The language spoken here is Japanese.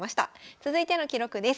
続いての記録です。